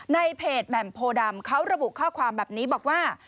ในเพจแหม่มโพดำเขาระบุข้อความแบบนี้บอกว่า